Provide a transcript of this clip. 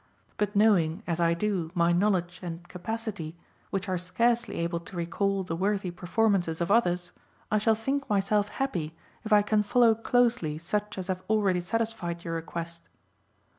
But knowing as I do my knowledge and capacity, which are scarcely able to recall the worthy performances of others, I shall think myself happy if I can follow closely such as have already satisfied your request.